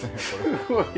すごい。